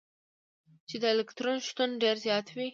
چي د الکترون شتون ډېر زيات وي.